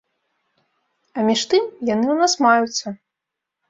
А між тым, яны ў нас маюцца.